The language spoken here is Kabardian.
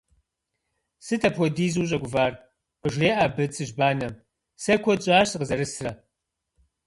- Сыт апхуэдизу ущӀэгувар, - къыжреӀэ абы цыжьбанэм, - сэ куэд щӀащ сыкъызэрысрэ.